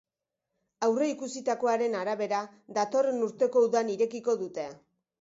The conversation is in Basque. Aurreikusitakoaren arabera, datorren urteko udan irekiko dute.